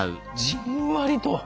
じんわりと。